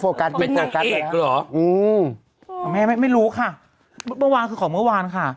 โฟกัสไปโฟกัสเหรออืมของแม่ไม่รู้ค่ะเมื่อวานคือของเมื่อวานค่ะ